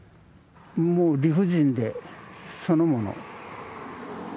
もう理不尽でそのもの。